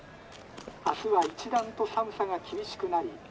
明日は一段と寒さが厳しくなり」。